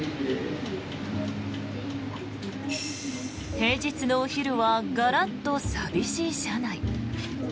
平日のお昼はガラッと寂しい車内。